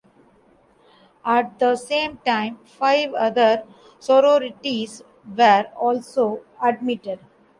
At the same time, five other sororities were also admitted.